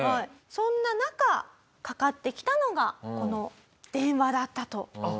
そんな中かかってきたのがこの電話だったという事なんですよね。